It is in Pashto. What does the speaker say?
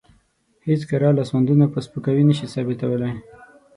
هېڅ کره لاسوندونه په سپکاوي نشي ثابتولی.